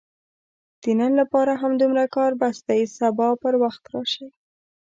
د نن لپاره همدومره کار بس دی، سبا پر وخت راشئ!